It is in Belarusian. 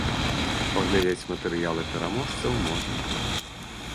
Паглядзець матэрыялы пераможцаў можна тут.